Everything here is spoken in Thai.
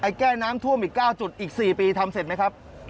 แก้น้ำท่วมอีก๙จุดอีก๔ปีทำเสร็จไหมครับ